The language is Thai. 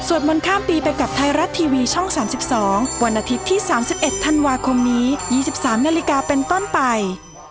มนต์ข้ามปีไปกับไทยรัฐทีวีช่อง๓๒วันอาทิตย์ที่๓๑ธันวาคมนี้๒๓นาฬิกาเป็นต้นไป